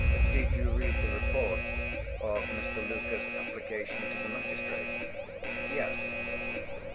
"Did you read the report of Mr. Luker's application to the magistrate?" "Yes."